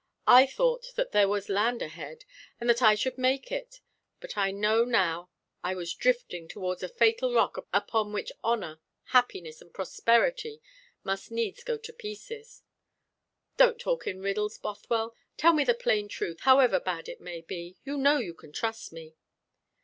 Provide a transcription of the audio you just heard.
I thought that there was land ahead, and that I should make it; but I know now I was drifting towards a fatal rock upon which honour, happiness, and prosperity must needs go to pieces." "Don't talk in riddles, Bothwell. Tell me the plain truth, however bad it may be. You know you can trust me."